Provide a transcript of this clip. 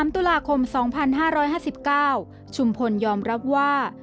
๓ตุลาคม๒๕๕๙ชุมพลยอมรับว่า